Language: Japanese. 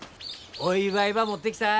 お祝いば持ってきた。